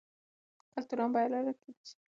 کلتور هم پلورل کیدی شي.